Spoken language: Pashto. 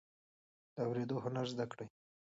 د اوریدلو هنر زده کړئ.